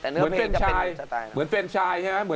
เหมือนเฟรนชายใช่ไหม